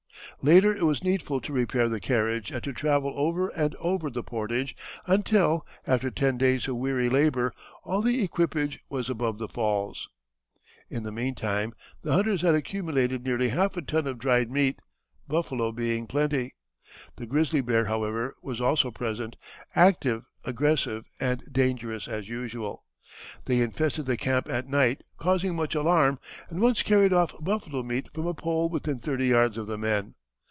Later it was needful to repair the carriage and to travel over and over the portage until, after ten days of weary labor, all the equipage was above the falls. In the meantime the hunters had accumulated nearly half a ton of dried meat, buffalo being plenty. The grizzly bear, however, was also present, active, aggressive, and dangerous as usual. They infested the camp at night, causing much alarm, and once carried off buffalo meat from a pole within thirty yards of the men.